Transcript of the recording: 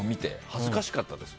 恥ずかしかったです。